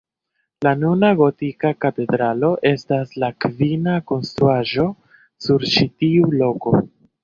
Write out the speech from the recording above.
La nuna gotika katedralo estas la kvina konstruaĵo sur ĉi tiu loko.